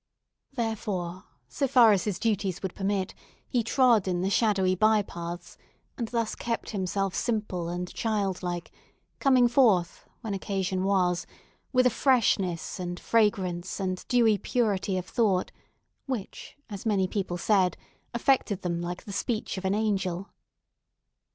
Therefore, so far as his duties would permit, he trod in the shadowy by paths, and thus kept himself simple and childlike, coming forth, when occasion was, with a freshness, and fragrance, and dewy purity of thought, which, as many people said, affected them like the speech of an angel.